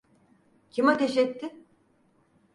Kim ateş etti?